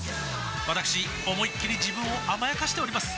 わたくし思いっきり自分を甘やかしております